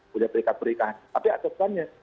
punya perikat perikahan tapi atasannya